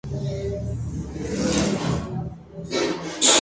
La escuela, además, tiene sedes en Mar del Plata, Rosario, Tucumán y Salta.